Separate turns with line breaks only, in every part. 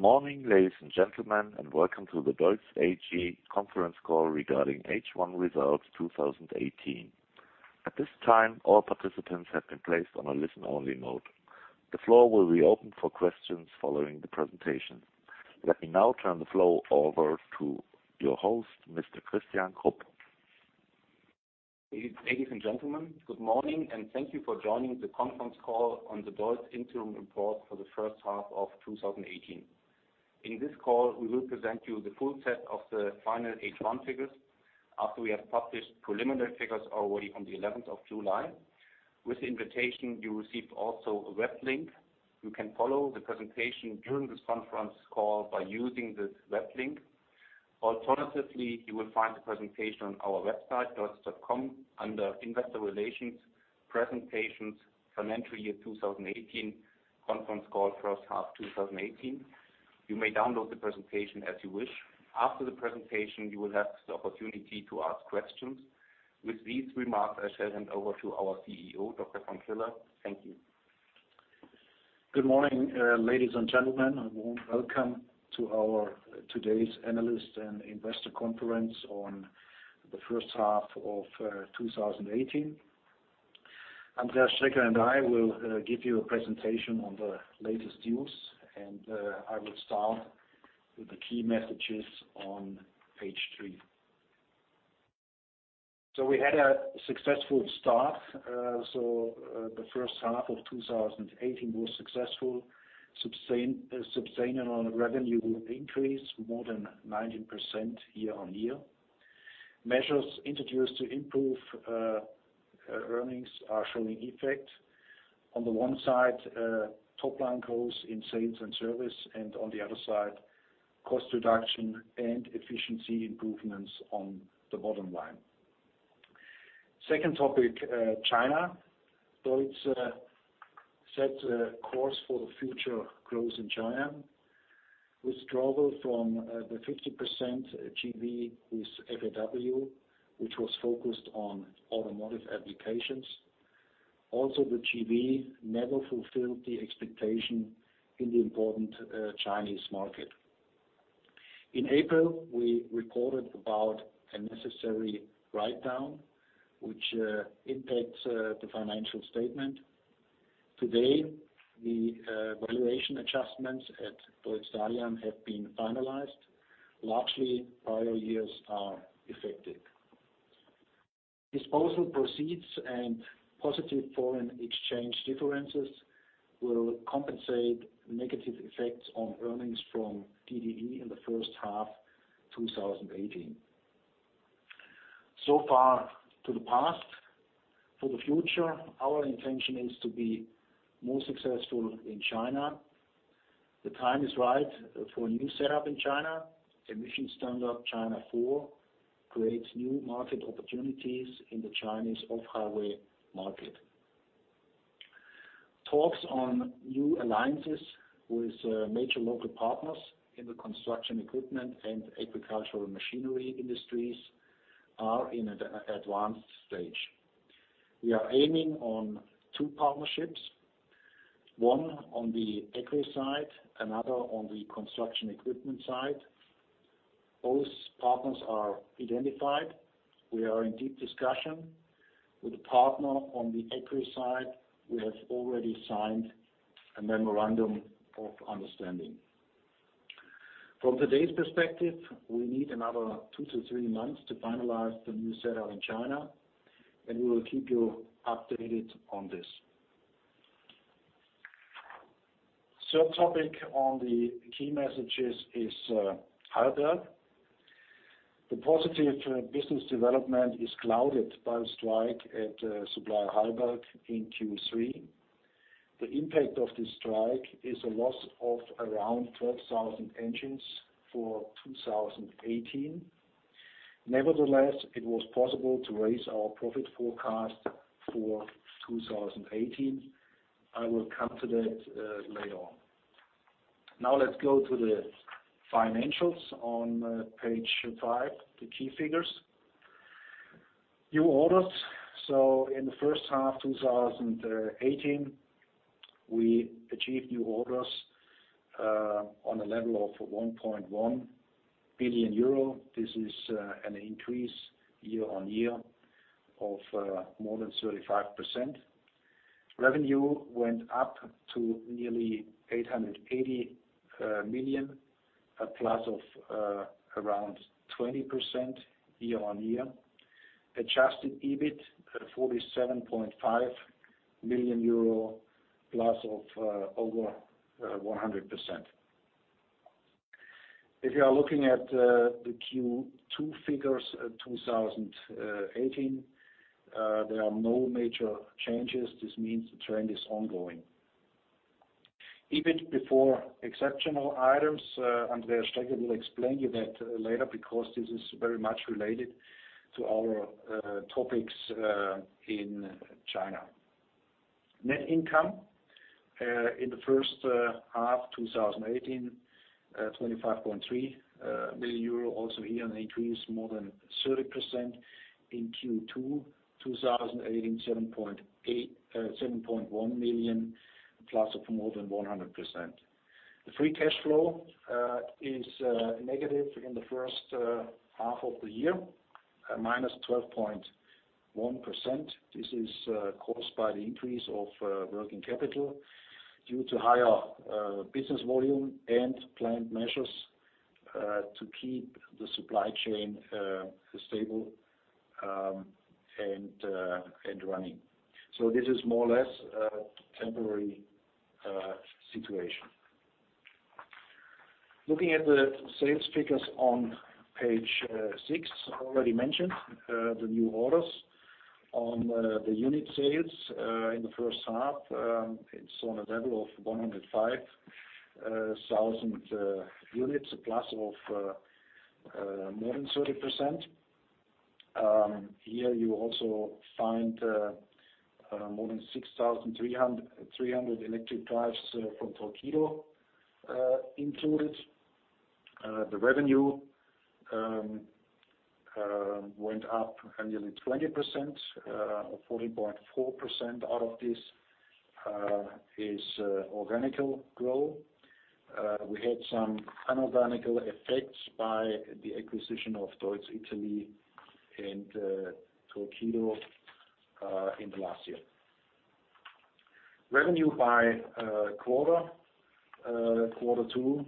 Morning, ladies and gentlemen, and welcome to the DEUTZ AG conference call regarding H1 Results 2018. At this time, all participants have been placed on a listen-only mode. The floor will be open for questions following the presentation. Let me now turn the floor over to your host, Mr. Christian Krupp.
Ladies and gentlemen, good morning, and thank you for joining the conference call on the DEUTZ interim report for the first half of 2018. In this call, we will present you the full set of the final H1 figures after we have published preliminary figures already on the 11th of July. With the invitation, you receive also a web link. You can follow the presentation during this conference call by using this web link. Alternatively, you will find the presentation on our website, deutz.com, under Investor Relations, Presentations, Financial Year 2018, Conference Call, First Half 2018. You may download the presentation as you wish. After the presentation, you will have the opportunity to ask questions. With these remarks, I shall hand over to our CEO, Dr. Frank Hiller. Thank you.
Good morning, ladies and gentlemen. A warm welcome to our today's analyst and investor conference on the first half of 2018. Andreas Schraeder and I will give you a presentation on the latest deals, and I will start with the key messages on page three. We had a successful start. The first half of 2018 was successful, substantial revenue increase, more than 19% year on year. Measures introduced to improve earnings are showing effect. On the one side, top line growth in sales and service, and on the other side, cost reduction and efficiency improvements on the bottom line. Second topic, China. DEUTZ set a course for the future growth in China, withdrawal from the 50% joint venture with FAW, which was focused on automotive applications. Also, the joint venture never fulfilled the expectation in the important Chinese market. In April, we recorded about a necessary write-down, which impacts the financial statement. Today, the valuation adjustments at DEUTZ Dalian have been finalized. Largely, prior years are effective. Disposal proceeds and positive foreign exchange differences will compensate negative effects on earnings from DDE in the first half of 2018. So far, to the past. For the future, our intention is to be more successful in China. The time is right for a new setup in China. Emission standard China 4 creates new market opportunities in the Chinese off-highway market. Talks on new alliances with major local partners in the construction equipment and agricultural machinery industries are in an advanced stage. We are aiming on two partnerships: one on the agri side, another on the construction equipment side. Both partners are identified. We are in deep discussion. With the partner on the agri side, we have already signed a memorandum of understanding. From today's perspective, we need another two to three months to finalize the new setup in China, and we will keep you updated on this. Third topic on the key messages is higher birth. The positive business development is clouded by the strike at supplier Halberg Guss in Q3. The impact of this strike is a loss of around 12,000 engines for 2018. Nevertheless, it was possible to raise our profit forecast for 2018. I will come to that later on. Now let's go to the financials on page five, the key figures. New orders. In the first half of 2018, we achieved new orders on a level of 1.1 billion euro. This is an increase year on year of more than 35%. Revenue went up to nearly 880 million, a plus of around 20% year on year. Adjusted EBITDA, 47.5 million euro, plus of over 100%. If you are looking at the Q2 figures of 2018, there are no major changes. This means the trend is ongoing. EBITDA before exceptional items. Andreas Schraeder will explain you that later because this is very much related to our topics in China. Net income in the first half of 2018, 25.3 million euro, also here an increase of more than 30%. In Q2, 2018, 7.1 million, plus of more than 100%. The free cash flow is negative in the first half of the year, minus 12.1%. This is caused by the increase of working capital due to higher business volume and planned measures to keep the supply chain stable and running. This is more or less a temporary situation. Looking at the sales figures on page six, already mentioned the new orders on the unit sales in the first half. It's on a level of 105,000 units, a plus of more than 30%. Here you also find more than 6,300 electric drives from Torqeedo included. The revenue went up nearly 20%. 14.4% out of this is organic growth. We had some inorganic effects by the acquisition of DEUTZ Italy and Torqeedo in the last year. Revenue by quarter, quarter two,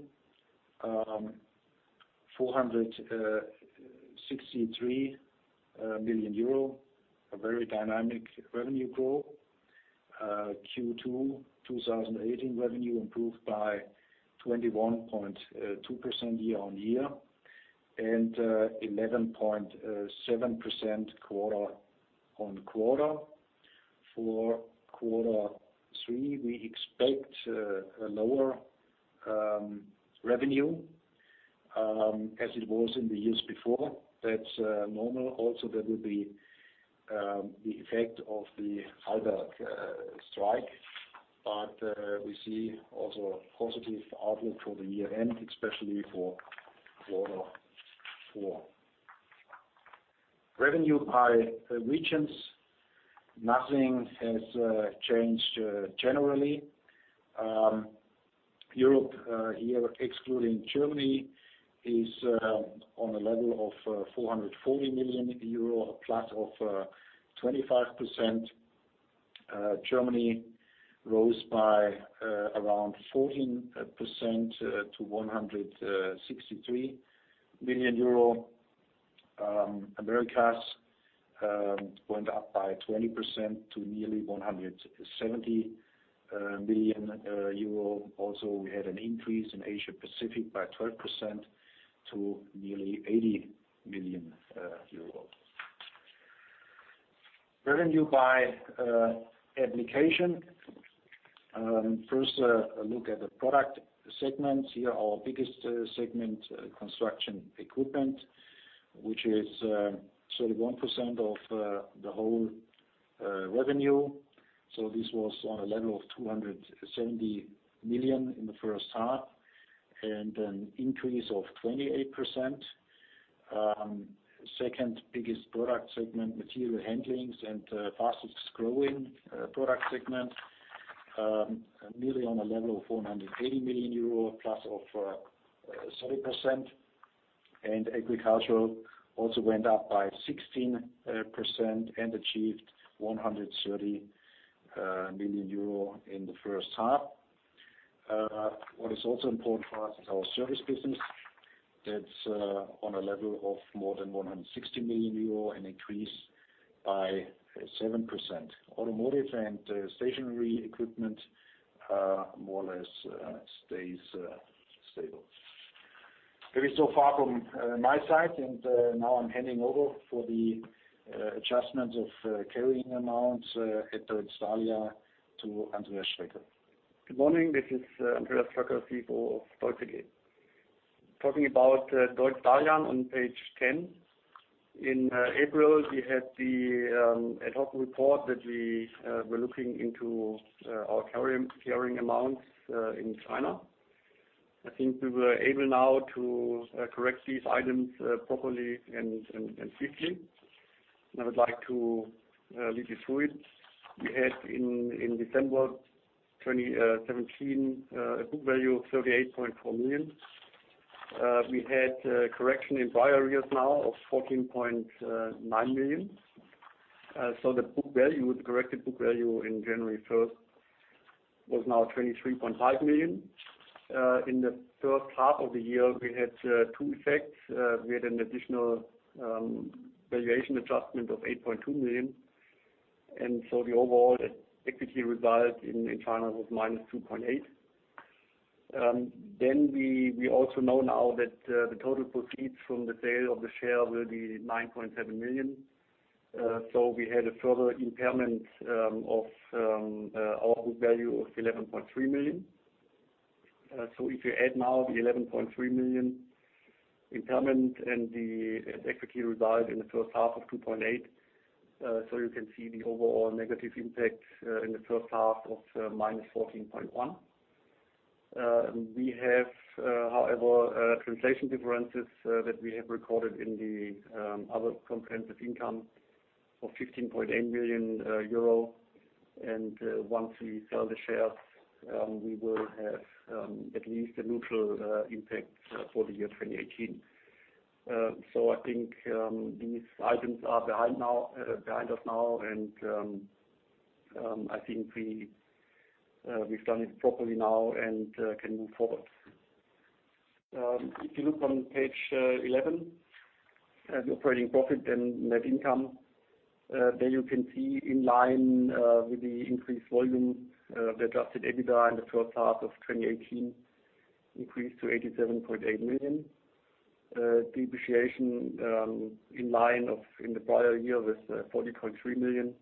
463 million euro, a very dynamic revenue growth. Q2 2018 revenue improved by 21.2% year on year and 11.7% quarter on quarter. For quarter three, we expect a lower revenue as it was in the years before. That's normal. Also, there will be the effect of the Halberg Guss strike, but we see also a positive outlook for the year end, especially for quarter four. Revenue by regions, nothing has changed generally. Europe here, excluding Germany, is on a level of 440 million euro, a plus of 25%. Germany rose by around 14% to 163 million euro. Americas went up by 20% to nearly 170 million euro. Also, we had an increase in Asia Pacific by 12% to nearly EUR 80 million. Revenue by application. First, a look at the product segments. Here, our biggest segment, construction equipment, which is 31% of the whole revenue. This was on a level of 270 million in the first half and an increase of 28%. Second biggest product segment, material handlings and fastest growing product segment, nearly on a level of 180 million euro, a plus of 30%. Agricultural also went up by 16% and achieved 130 million euro in the first half. What is also important for us is our service business. That's on a level of more than 160 million euro, an increase by 7%. Automotive and stationery equipment more or less stays stable. Maybe so far from my side, and now I'm handing over for the adjustment of carrying amounts at DEUTZ Dalian to Andreas Schraeder.
Good morning. This is Andreas Schraeder, CFO of DEUTZ again. Talking about DEUTZ Dalian on page 10, in April, we had the ad hoc report that we were looking into our carrying amounts in China. I think we were able now to correct these items properly and swiftly. I would like to lead you through it. We had in December 2017 a book value of 38.4 million. We had a correction in prior years now of 14.9 million. The book value, the corrected book value on January 1 was now 23.5 million. In the first half of the year, we had two effects. We had an additional valuation adjustment of 8.2 million. The overall equity result in China was minus 2.8 million. We also know now that the total proceeds from the sale of the share will be 9.7 million. We had a further impairment of our book value of 11.3 million. If you add now the 11.3 million impairment and the equity result in the first half of 2.8 million, you can see the overall negative impact in the first half of minus 14.1 million. We have, however, translation differences that we have recorded in the other comprehensive income of 15.8 million euro. Once we sell the shares, we will have at least a neutral impact for the year 2018. I think these items are behind us now, and I think we've done it properly now and can move forward. If you look on page 11, the operating profit and net income, there you can see in line with the increased volume of the adjusted EBITDA in the first half of 2018, increased to 87.8 million. Depreciation in line of in the prior year was 40.3 million,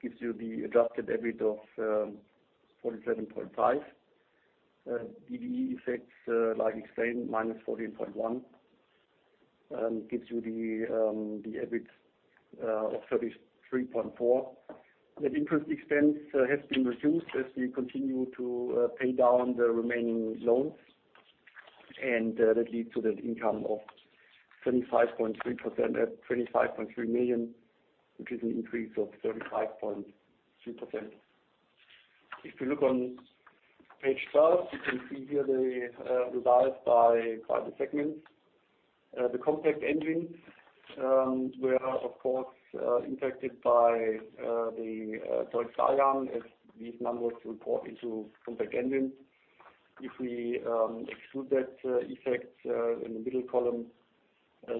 gives you the adjusted EBITDA of 47.5 million. DDE effects, like explained, minus 14.1 million gives you the EBITDA of 33.4 million. That interest expense has been reduced as we continue to pay down the remaining loans, and that leads to that income of 25.3 million, which is an increase of 35.2%. If you look on page 12, you can see here the result by the segments. The compact engines were, of course, impacted by the DEUTZ Dalian, as these numbers report into compact engines. If we exclude that effect in the middle column,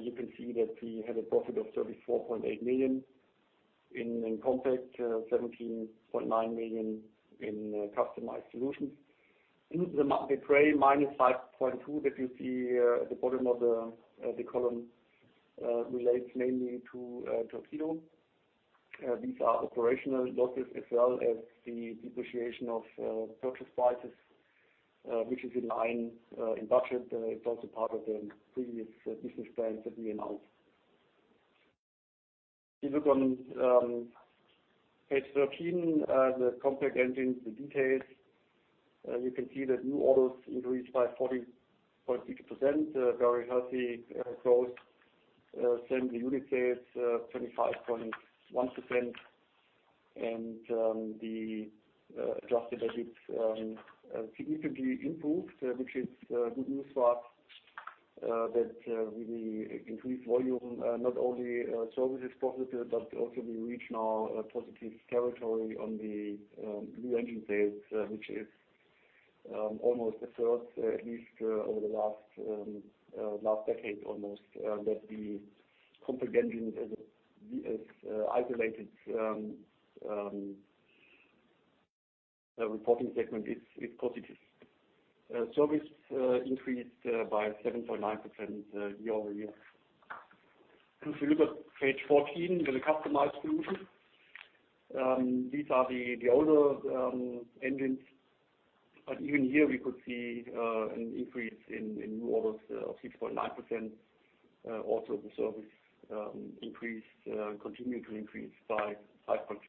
you can see that we had a profit of 34.8 million in compact, 17.9 million in customized solutions. The pre-buy minus 5.2 million that you see at the bottom of the column relates mainly to Torqeedo. These are operational losses as well as the depreciation of purchase prices, which is in line in budget. It's also part of the previous business plans that we announced. If you look on page 13, the compact engines, the details, you can see that new orders increased by 40.6%, very healthy growth. Same with the unit sales, 25.1%, and the adjusted EBITDA significantly improved, which is good news for us that we increased volume, not only service is positive, but also we reached now positive territory on the new engine sales, which is almost a third, at least over the last decade, almost, that the compact engines as isolated reporting segment is positive. Service increased by 7.9% year over year. If you look at page 14, the customized solutions, these are the older engines, but even here we could see an increase in new orders of 6.9%. Also, the service increased and continued to increase by 5.3%.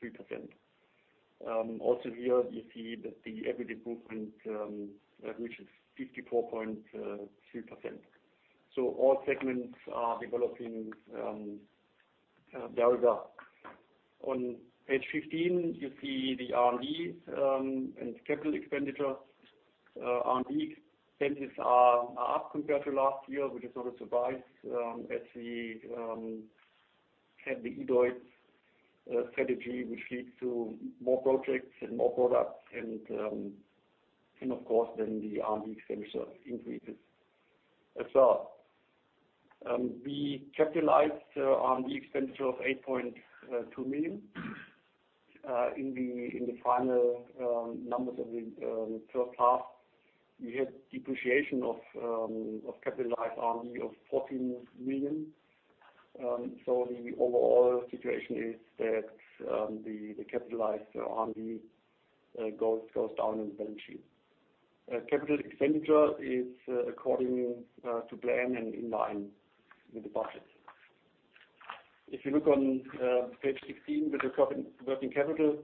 Also here, you see that the EBITDA improvement reaches 54.3%. All segments are developing very well. On page 15, you see the R&D and capital expenditure. R&D expenses are up compared to last year, which is not a surprise as we had the EDEU strategy, which leads to more projects and more products. Of course, then the R&D expenditure increases as well. We capitalized R&D expenditure of 8.2 million. In the final numbers of the first half, we had depreciation of capitalized R&D of 14 million. The overall situation is that the capitalized R&D goes down in the balance sheet. Capital expenditure is according to plan and in line with the budget. If you look on page 16, the working capital,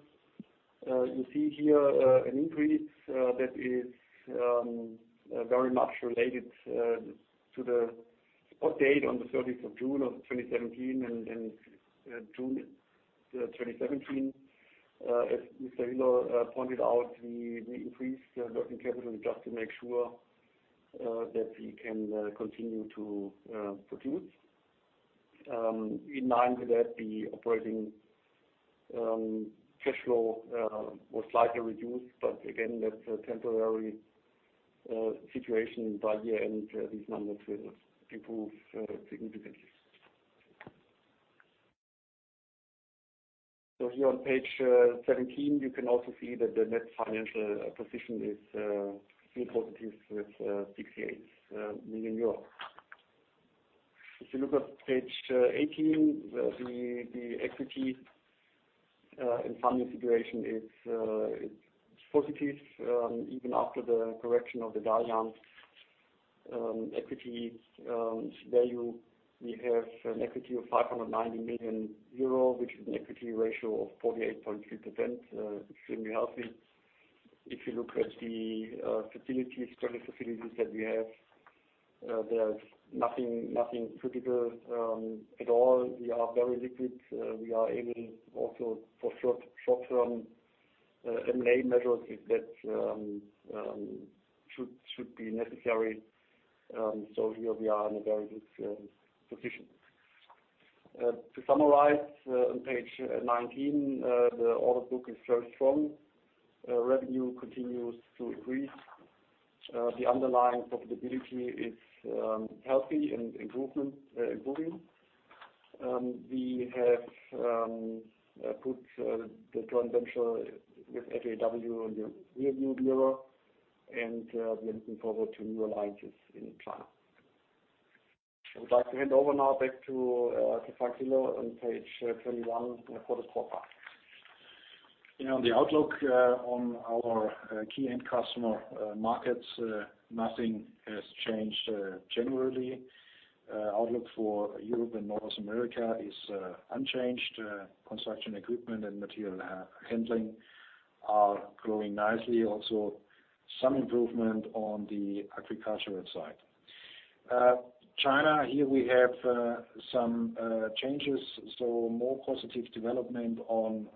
you see here an increase that is very much related to the spot date on the 30th of June of 2017 and June 2017. As Mr. Hiller pointed out, we increased working capital just to make sure that we can continue to produce. In line with that, the operating cash flow was slightly reduced, but again, that's a temporary situation by year end. These numbers will improve significantly. Here on page 17, you can also see that the net financial position is still positive with EUR 68 million. If you look at page 18, the equity and funding situation is positive even after the correction of the Dalian equity value. We have an equity of 590 million euro, which is an equity ratio of 48.3%, extremely healthy. If you look at the facilities, project facilities that we have, there is nothing critical at all. We are very liquid. We are able also for short-term M&A measures if that should be necessary. Here we are in a very good position. To summarize on page 19, the order book is very strong. Revenue continues to increase. The underlying profitability is healthy and improving. We have put the transential with FAW on the rearview mirror, and we are looking forward to new alliances in China. I would like to hand over now back to Frank Hiller on page 21 for the quarter. Yeah, on the outlook on our key end customer markets, nothing has changed generally. Outlook for Europe and North America is unchanged. Construction equipment and material handling are growing nicely. Also, some improvement on the agricultural side. China, here we have some changes. More positive development on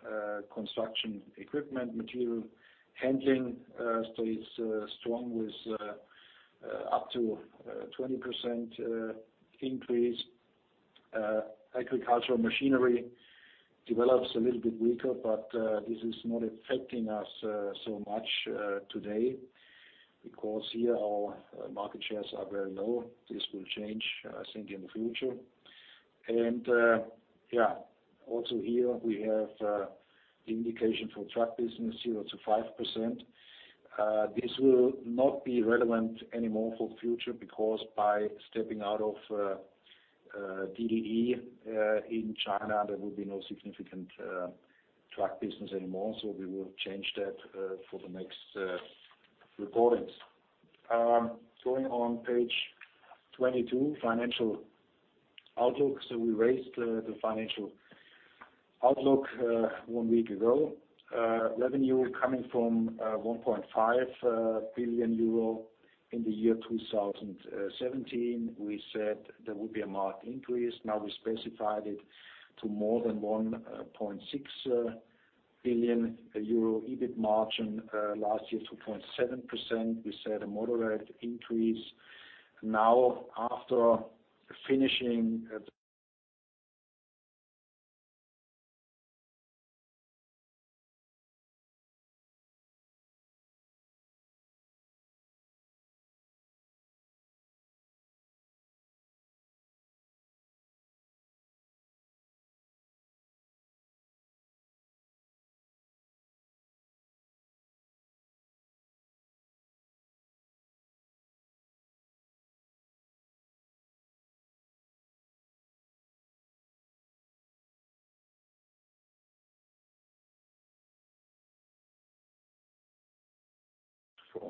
construction equipment, material handling stays strong with up to 20% increase. Agricultural machinery develops a little bit weaker, but this is not affecting us so much today because here our market shares are very low. This will change, I think, in the future. Also, here we have the indication for truck business, 0-5%. This will not be relevant anymore for the future because by stepping out of DDE in China, there will be no significant truck business anymore. We will change that for the next recordings. Going on page 22, financial outlook. We raised the financial outlook one week ago. Revenue coming from 1.5 billion euro in the year 2017. We said there would be a marked increase. Now we specified it to more than 1.6 billion euro. EBITDA margin. Last year, 2.7%. We said a moderate increase. Now, after finishing the.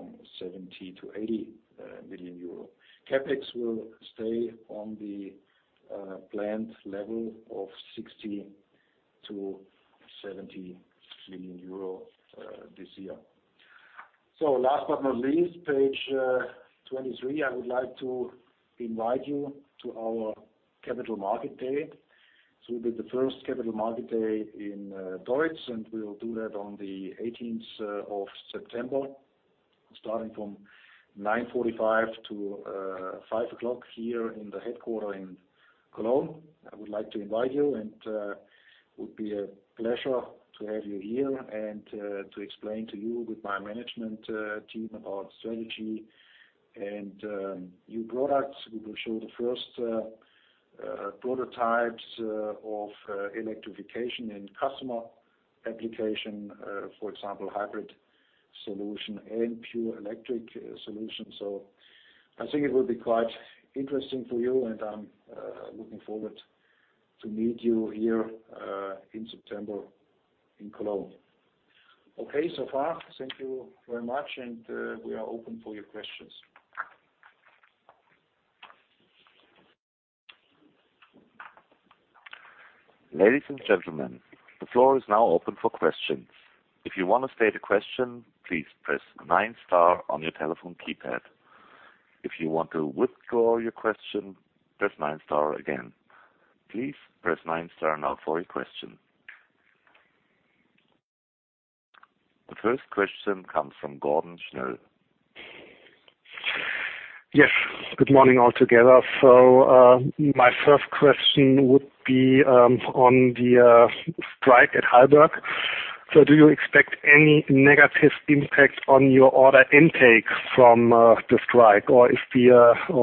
From 70 million-80 million euro. CapEx will stay on the planned level of 60 million-70 million euro this year. Last but not least, page 23, I would like to invite you to our capital market day. It will be the first capital market day in DEUTZ, and we will do that on the 18th of September, starting from 9:45 A.M. to 5:00 P.M. here in the headquarter in Cologne. I would like to invite you, and it would be a pleasure to have you here and to explain to you with my management team about strategy and new products. We will show the first prototypes of electrification in customer application, for example, hybrid solution and pure electric solution. I think it will be quite interesting for you, and I'm looking forward to meet you here in September in Cologne. Okay, so far, thank you very much, and we are open for your questions.
Ladies and gentlemen, the floor is now open for questions. If you want to state a question, please press nine-star on your telephone keypad. If you want to withdraw your question, press nine-star again. Please press nine-star now for your question. The first question comes from Gordon Schnell.
Yes, good morning all together. My first question would be on the strike at Halberg Guss. Do you expect any negative impact on your order intake from the strike, or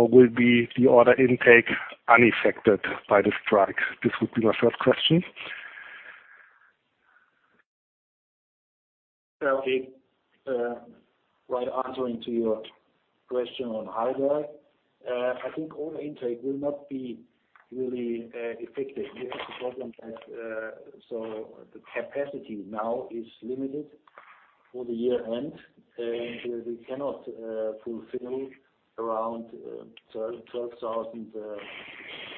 will the order intake be unaffected by the strike? This would be my first question.
Okay. Right, answering to your question on Heilberg, I think order intake will not be really effective. We have a problem that the capacity now is limited for the year end, and we cannot fulfill around 12,000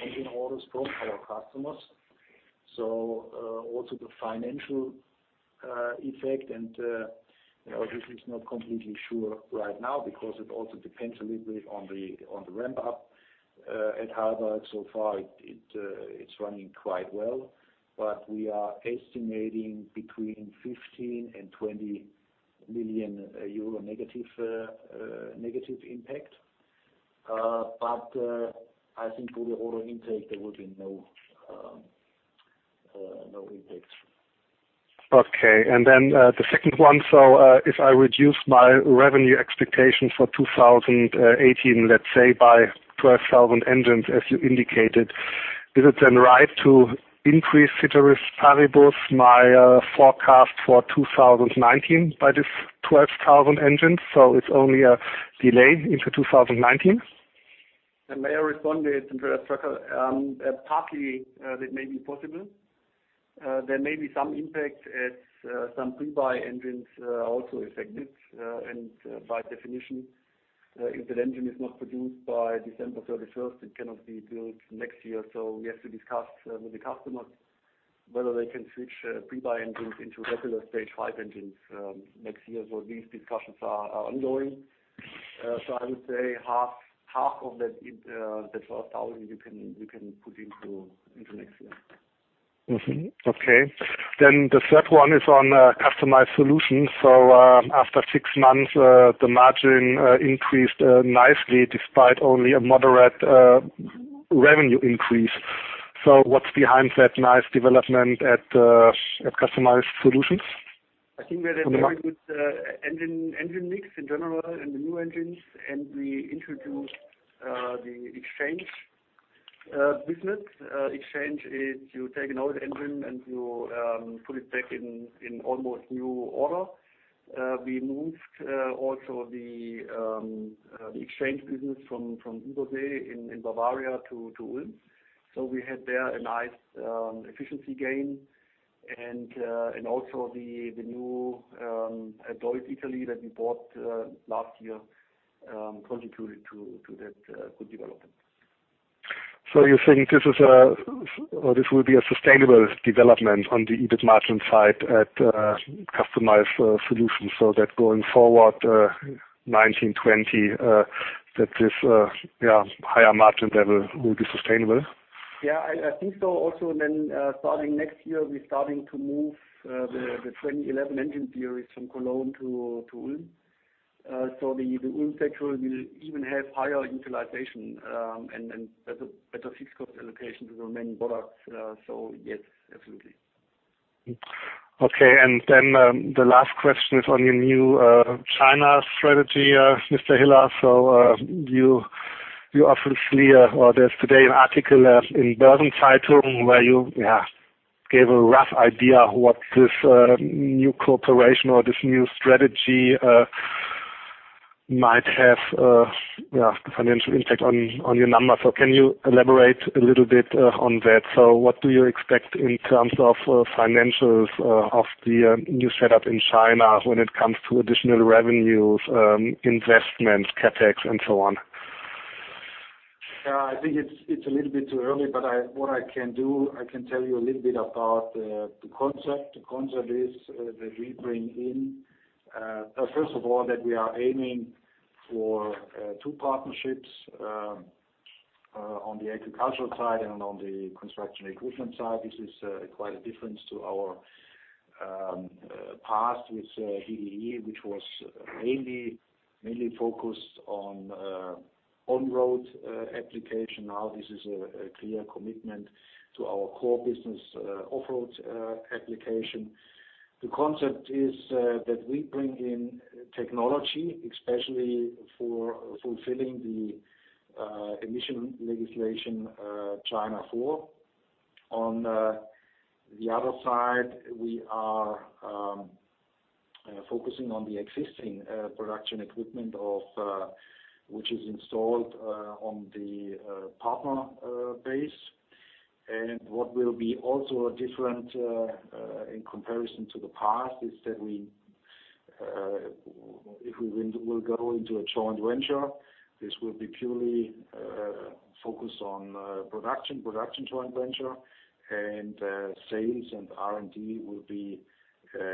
engine orders from our customers. Also the financial effect, and this is not completely sure right now because it also depends a little bit on the ramp-up at Heilberg. So far, it's running quite well, but we are estimating between 15 million-20 million euro negative impact. I think for the order intake, there will be no impact.
Okay. The second one, if I reduce my revenue expectation for 2018, let's say, by 12,000 engines, as you indicated, is it right to increase Ceteris Paribus my forecast for 2019 by these 12,000 engines? It is only a delay into 2019?
May I respond, Mr. Schulte? Partly, that may be possible. There may be some impact as some pre-buy engines are also affected. By definition, if the engine is not produced by December 31, it cannot be built next year. We have to discuss with the customers whether they can switch pre-buy engines into regular Stage 5 engines next year. These discussions are ongoing. I would say half of the 12,000 you can put into next year.
Okay. The third one is on customized solutions. After six months, the margin increased nicely despite only a moderate revenue increase. What is behind that nice development at customized solutions?
I think we had a very good engine mix in general and the new engines, and we introduced the exchange business. Exchange is you take an old engine and you put it back in almost new order. We moved also the exchange business from INTEDE in Bavaria to Ulm. We had there a nice efficiency gain. Also the new DEUTZ Italy that we bought last year contributed to that good development.
You're saying this will be a sustainable development on the EBITDA margin side at customized solutions so that going forward 2019, 2020, that this higher margin level will be sustainable?
Yeah, I think so. Also, then starting next year, we're starting to move the 2011 engine series from Cologne to Ulm. The Ulm sector will even have higher utilization and better fixed cost allocation to the main products. Yes, absolutely.
Okay. The last question is on your new China strategy, Mr. Hiller. You often see or there's today an article in Börsen Zeitung where you gave a rough idea of what this new corporation or this new strategy might have the financial impact on your numbers. Can you elaborate a little bit on that? What do you expect in terms of financials of the new setup in China when it comes to additional revenues, investments, CapEx, and so on?
Yeah, I think it's a little bit too early, but what I can do, I can tell you a little bit about the concept. The concept is that we bring in, first of all, that we are aiming for two partnerships on the agricultural side and on the construction equipment side. This is quite a difference to our past with DDE, which was mainly focused on on-road application. Now this is a clear commitment to our core business, off-road application. The concept is that we bring in technology, especially for fulfilling the emission legislation China 4. On the other side, we are focusing on the existing production equipment which is installed on the partner base. What will be also different in comparison to the past is that if we go into a joint venture, this will be purely focused on production, a production joint venture, and sales and R&D will be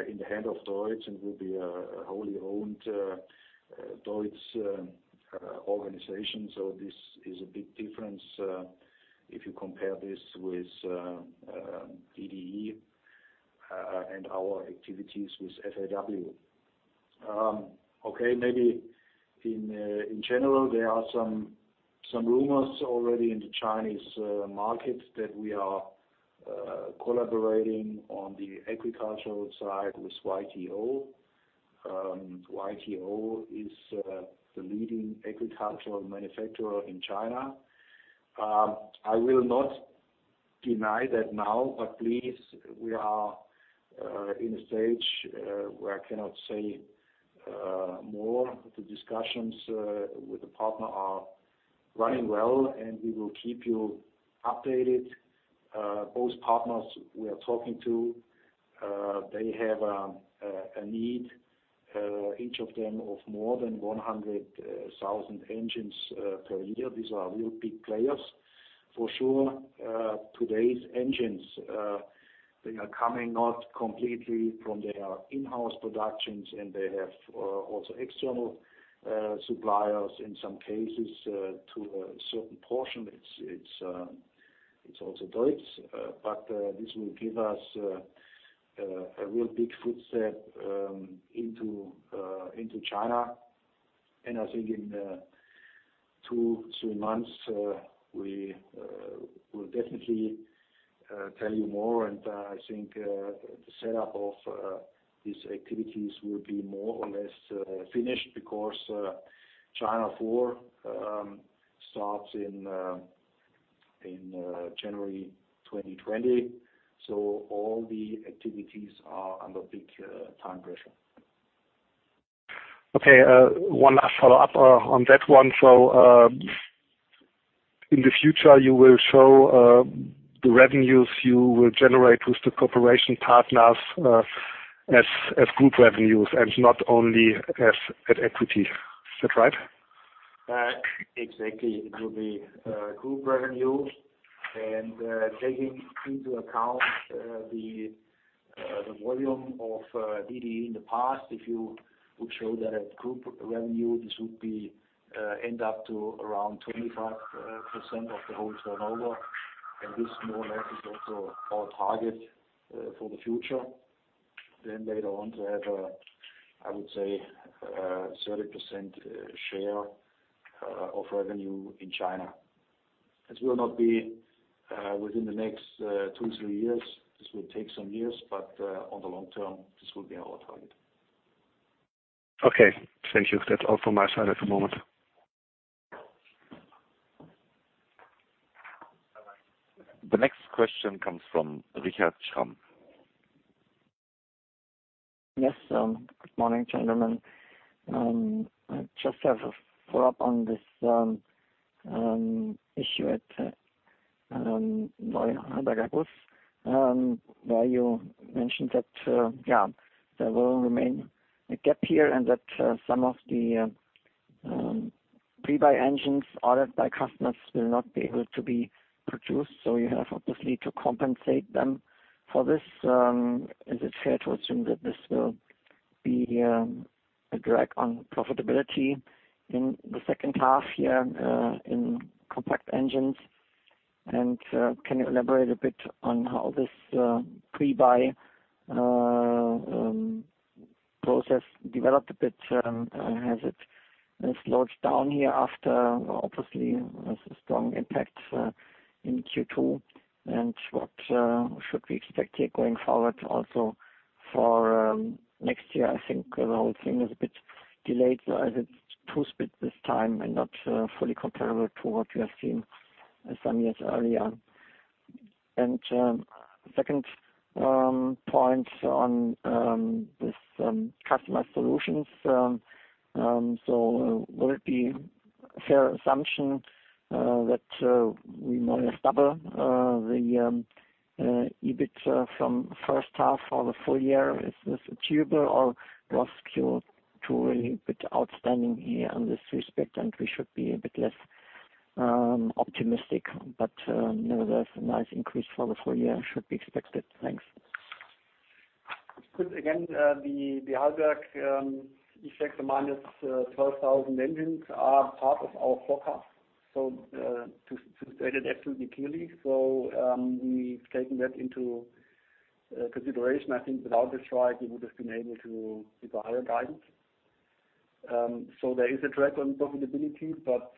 in the hand of DEUTZ and will be a wholly owned DEUTZ organization. This is a big difference if you compare this with DEUTZ Dalian and our activities with FAW. Maybe in general, there are some rumors already in the Chinese market that we are collaborating on the agricultural side with YTO. YTO is the leading agricultural manufacturer in China. I will not deny that now, but please, we are in a stage where I cannot say more. The discussions with the partner are running well, and we will keep you updated. Both partners we are talking to, they have a need, each of them, of more than 100,000 engines per year. These are real big players for sure. Today's engines, they are coming not completely from their in-house productions, and they have also external suppliers in some cases to a certain portion. It's also DEUTZ, but this will give us a real big footstep into China. I think in two, three months, we will definitely tell you more. I think the setup of these activities will be more or less finished because China 4 starts in January 2020. All the activities are under big time pressure.
Okay. One last follow-up on that one. In the future, you will show the revenues you will generate with the corporation partners as group revenues and not only as equity. Is that right?
Exactly. It will be group revenues. Taking into account the volume of DDE in the past, if you would show that at group revenue, this would end up to around 25% of the whole turnover. This more or less is also our target for the future. Later on, to have, I would say, a 30% share of revenue in China. This will not be within the next two or three years. This will take some years, but in the long term, this will be our target.
Okay. Thank you. That's all from my side at the moment.
Bye-bye.
The next question comes from Richard Schramm.
Yes. Good morning, gentlemen. I just have a follow-up on this issue at Halberg Guss where you mentioned that there will remain a gap here and that some of the pre-buy engines ordered by customers will not be able to be produced. You have obviously to compensate them for this. Is it fair to assume that this will be a drag on profitability in the second half here in compact engines? Can you elaborate a bit on how this pre-buy process developed a bit? Has it slowed down here after obviously a strong impact in Q2? What should we expect here going forward also for next year? I think the whole thing is a bit delayed. Has it twisted this time and not fully comparable to what we have seen some years earlier? The second point on this customer solutions, will it be a fair assumption that we more or less double the EBITDA from first half for the full year? Is this achievable or was Q2 really a bit outstanding here in this respect, and we should be a bit less optimistic? Nevertheless, a nice increase for the full year should be expected. Thanks.
Again, the Halberg Guss effect demanded 12,000 engines are part of our forecast. To state it absolutely clearly, we have taken that into consideration. I think without the strike, we would have been able to keep a higher guidance. There is a drag on profitability, but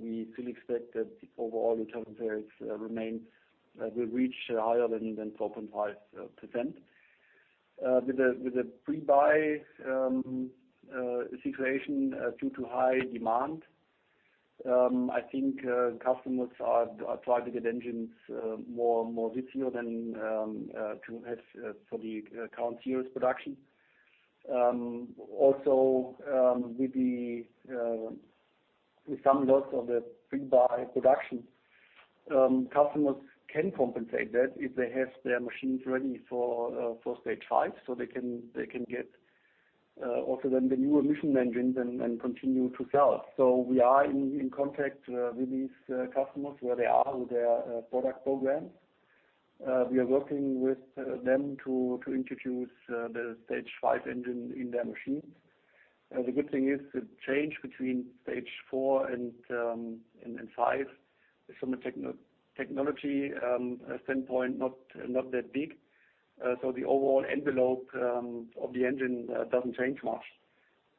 we still expect that overall returns will reach higher than 12.5%. With the pre-buy situation due to high demand, I think customers are trying to get engines more this year than to have for the current year's production. Also, with some loss of the pre-buy production, customers can compensate that if they have their machines ready for Stage 5. They can also get the new emission engines and continue to sell. We are in contact with these customers regarding where they are with their product programs. We are working with them to introduce the Stage 5 engine in their machines. The good thing is the change between stage 4 and 5 is from a technology standpoint not that big. The overall envelope of the engine does not change much.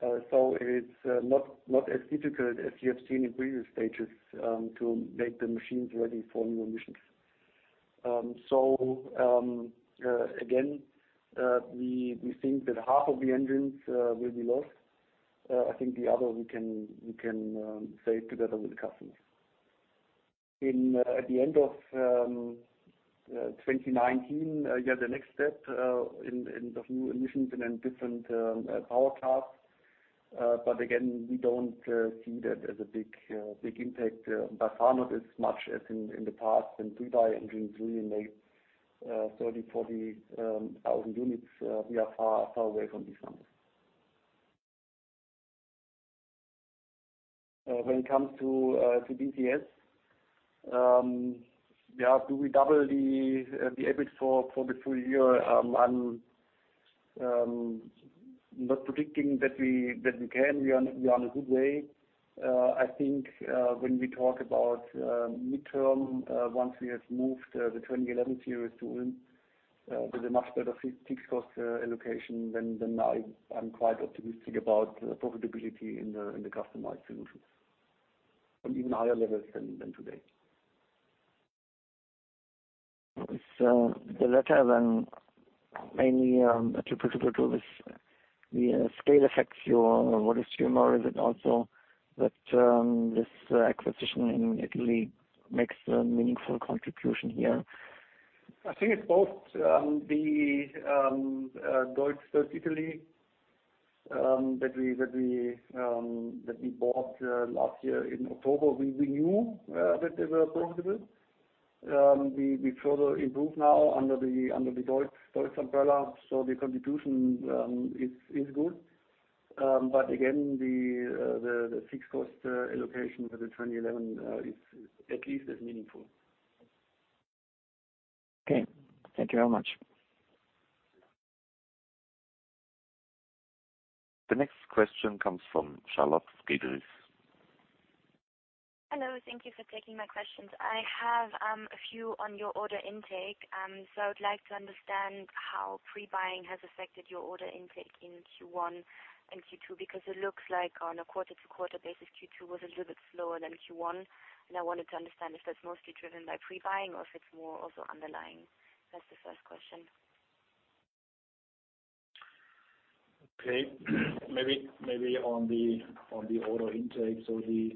It is not as difficult as you have seen in previous stages to make the machines ready for new emissions. Again, we think that half of the engines will be lost. I think the other we can save together with the customers. At the end of 2019, yeah, the next step in the new emissions and then different power class. Again, we do not see that as a big impact. By far, not as much as in the past when pre-buy engines really made 30,000-40,000 units. We are far away from these numbers. When it comes to DCS, yeah, do we double the EBITDA for the full year? I am not predicting that we can. We are on a good way. I think when we talk about midterm, once we have moved the 2011 series to Ulm, there's a much better fixed cost allocation than now. I'm quite optimistic about profitability in the customized solutions on even higher levels than today.
The letter then mainly to Puto Puto, is it the scale effects you want to assume, or is it also that this acquisition in Italy makes a meaningful contribution here?
I think it's both. The DEUTZ Italy that we bought last year in October, we knew that they were profitable. We further improved now under the DEUTZ umbrella, so the contribution is good. Again, the fixed cost allocation for the 2011 is at least as meaningful.
Okay. Thank you very much.
The next question comes from Charlotte Friedrich.
Hello. Thank you for taking my questions. I have a few on your order intake. I would like to understand how pre-buying has affected your order intake in Q1 and Q2 because it looks like on a quarter-to-quarter basis, Q2 was a little bit slower than Q1. I wanted to understand if that's mostly driven by pre-buying or if it's more also underlying. That's the first question.
Okay. Maybe on the order intake, the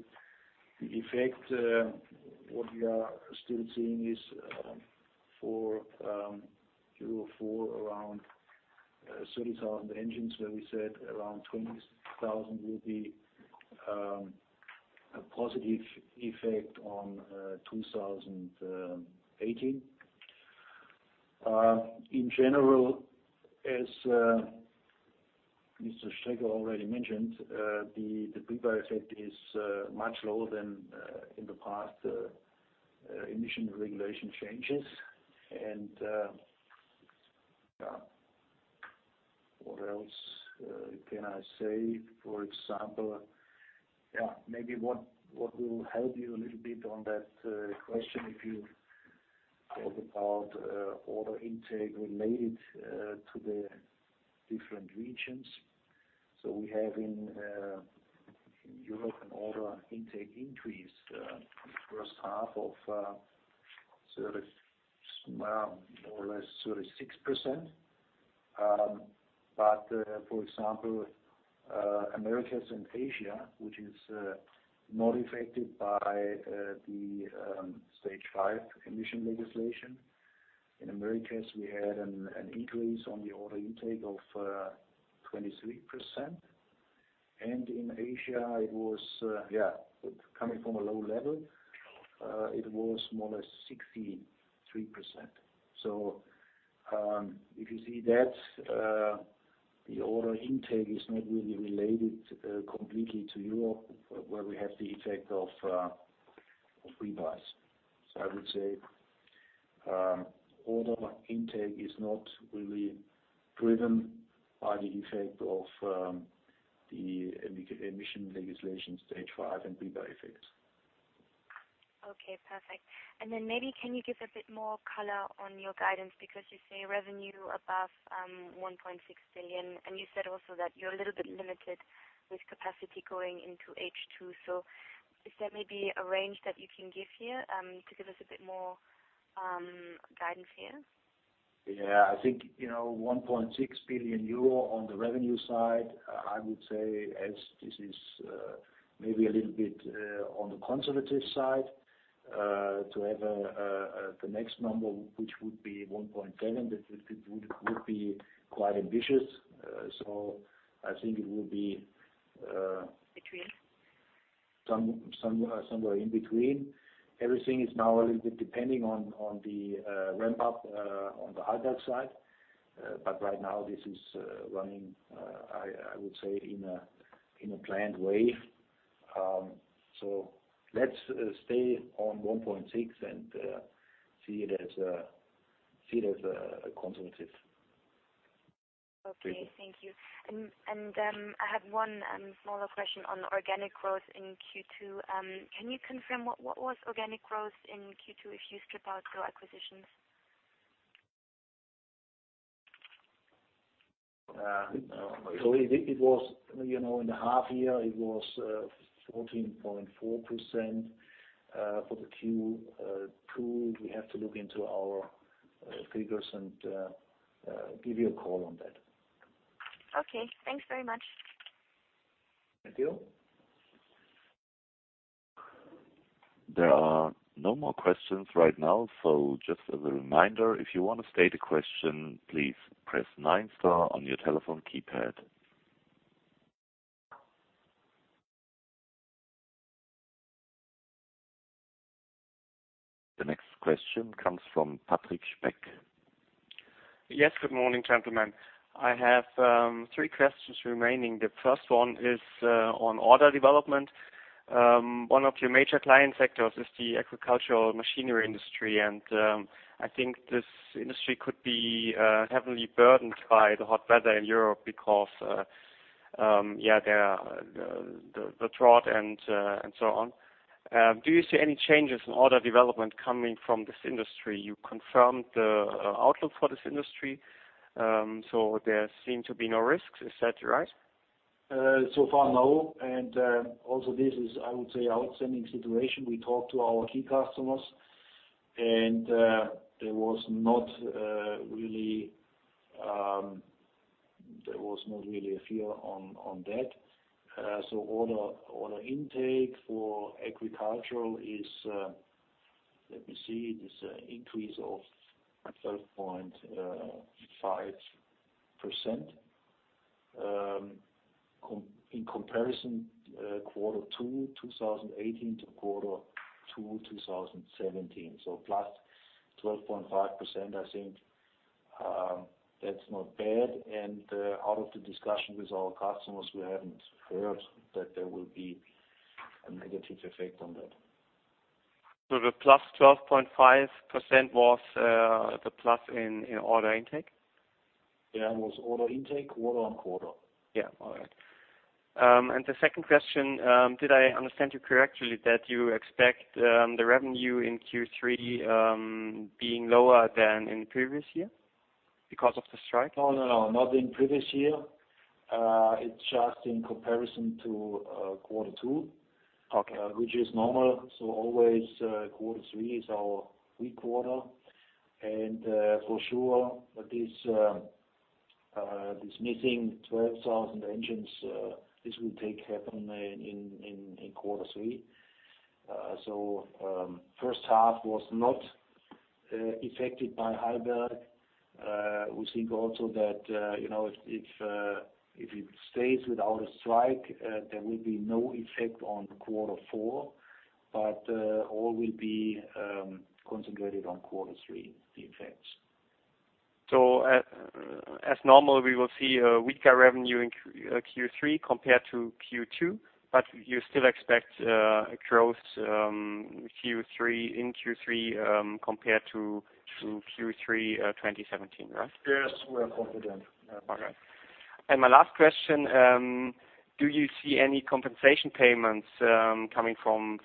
effect we are still seeing is for Q4 around 30,000 engines, where we said around 20,000 will be a positive effect on 2018. In general, as Mr. Schraeder already mentioned, the pre-buy effect is much lower than in the past emission regulation changes. What else can I say? For example, maybe what will help you a little bit on that question if you talk about order intake related to the different regions. We have in Europe an order intake increase in the first half of more or less 36%. For example, Americas and Asia, which is not affected by the Stage 5 emission legislation, in Americas, we had an increase on the order intake of 23%. In Asia, it was coming from a low level, it was more or less 63%. If you see that, the order intake is not really related completely to Europe, where we have the effect of pre-buys. I would say order intake is not really driven by the effect of the emission legislation stage 5 and pre-buy effects.
Okay. Perfect. Maybe can you give a bit more color on your guidance because you say revenue above 1.6 billion, and you said also that you're a little bit limited with capacity going into H2. Is there maybe a range that you can give here to give us a bit more guidance here?
Yeah. I think 1.6 billion euro on the revenue side, I would say, as this is maybe a little bit on the conservative side, to have the next number, which would be 1.7 billion, that would be quite ambitious. I think it will be.
Between?
Somewhere in between. Everything is now a little bit depending on the ramp-up on the Heilberg side. Right now, this is running, I would say, in a planned way. Let's stay on 1.6 and see it as a conservative.
Okay. Thank you. I have one smaller question on organic growth in Q2. Can you confirm what was organic growth in Q2 if you strip out your acquisitions?
In the half year, it was 14.4% for Q2. We have to look into our figures and give you a call on that.
Okay. Thanks very much.
Thank you.
There are no more questions right now. Just as a reminder, if you want to state a question, please press nine-star on your telephone keypad. The next question comes from Patrick Schmeck.
Yes. Good morning, gentlemen. I have three questions remaining. The first one is on order development. One of your major client sectors is the agricultural machinery industry, and I think this industry could be heavily burdened by the hot weather in Europe because, yeah, there are the drought and so on. Do you see any changes in order development coming from this industry? You confirmed the outlook for this industry, so there seem to be no risks. Is that right?
No. Also, this is, I would say, an outstanding situation. We talked to our key customers, and there was not really a fear on that. Order intake for agricultural is, let me see, it is an increase of 12.5% in comparison quarter two 2018 to quarter two 2017. Plus 12.5%, I think that's not bad. Out of the discussion with our customers, we have not heard that there will be a negative effect on that.
The plus 12.5% was the plus in order intake?
Yeah. It was order intake, quarter on quarter.
Yeah. All right. The second question, did I understand you correctly that you expect the revenue in Q3 being lower than in previous year because of the strike?
No, no, no. Not in previous year. It's just in comparison to quarter 2, which is normal. Quarter 3 is always our weak quarter. For sure, this missing 12,000 engines, this will take happen in quarter 3. First half was not affected by Heilberg. We think also that if it stays without a strike, there will be no effect on quarter 4, but all will be concentrated on quarter 3, the effects.
As normal, we will see a weaker revenue in Q3 compared to Q2, but you still expect growth in Q3 compared to Q3 2017, right?
Yes. We are confident.
All right. My last question, do you see any compensation payments coming from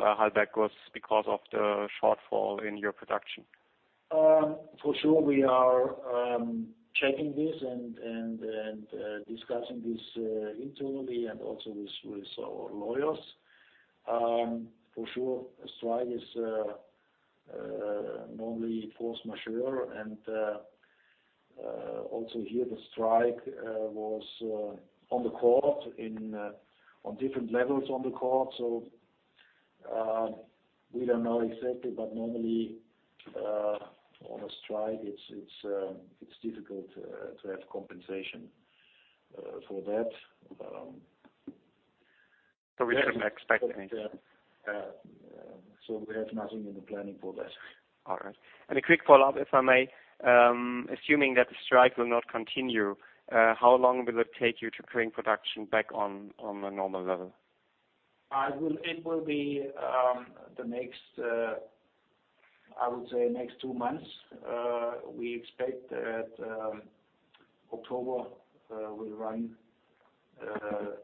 Halberg Guss because of the shortfall in your production?
For sure, we are checking this and discussing this internally and also with our lawyers. For sure, strike is normally force majeure. Also here, the strike was on the court on different levels on the court. We do not know exactly, but normally on a strike, it is difficult to have compensation for that.
We shouldn't expect anything?
Yeah. We have nothing in the planning for that.
All right. A quick follow-up, if I may. Assuming that the strike will not continue, how long will it take you to bring production back on a normal level?
It will be the next, I would say, next two months. We expect that October will run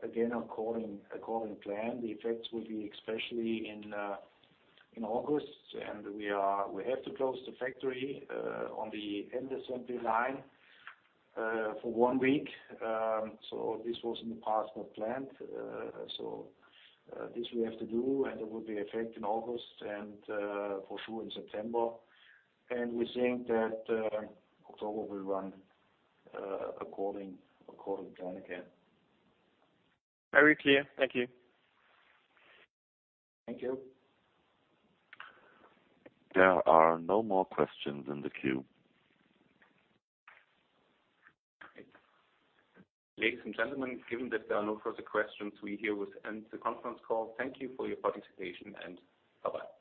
again according to plan. The effects will be especially in August, and we have to close the factory on the end assembly line for one week. This was in the past not planned. This we have to do, and there will be effect in August and for sure in September. We think that October will run according to plan again.
Very clear. Thank you.
Thank you.
There are no more questions in the queue. Ladies and gentlemen, given that there are no further questions, we here will end the conference call. Thank you for your participation, and bye-bye.